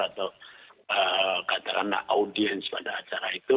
atau kata orang nak audiens pada acara itu